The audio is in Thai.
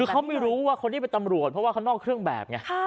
คือเขาไม่รู้ว่าคนนี้เป็นตำรวจเพราะว่าเขานอกเครื่องแบบไง